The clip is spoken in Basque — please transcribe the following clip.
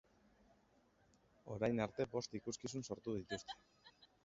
Orain arte bost ikuskizun sortu dituzte.